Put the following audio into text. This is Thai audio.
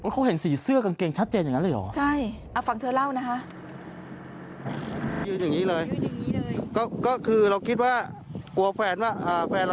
เขาเห็นสีเสื้อกางเกงชัดเจนอย่างนั้นเลยเหรอ